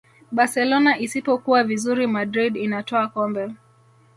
barcelona isipokuwa vizuri madrid inatwaa kombe